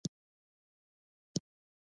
د ممیزو پاکولو فابریکې شته؟